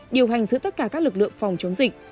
điều hành giữa tất cả các lực lượng phòng chống dịch